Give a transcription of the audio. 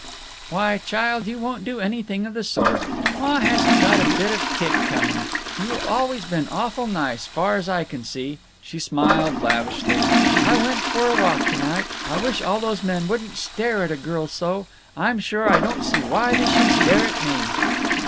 "Why, child, you won't do anything of the sort. Ma hasn't got a bit of kick coming. You've always been awful nice, far as I can see." She smiled lavishly. "I went for a walk to night…. I wish all those men wouldn't stare at a girl so. I'm sure I don't see why they should stare at me."